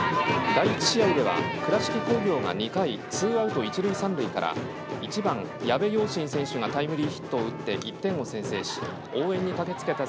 第１試合では倉敷工業が２回に２アウト、一塁三塁から１番、矢部陽心選手がタイムリーヒットを打って１点を先制し応援に駆けつけた。